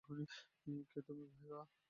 কে তুমি, ভাইয়া?